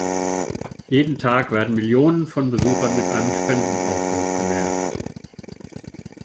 Jeden Tag werden Millionen von Besuchern mit einem Spendenaufruf genervt.